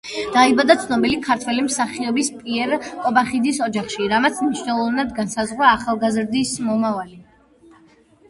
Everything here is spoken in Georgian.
დაიბადა ცნობილი ქართველი მსახიობის პიერ კობახიძის ოჯახში, რამაც მნიშვნელოვნად განსაზღვრა ახალგაზრდის მომავალი.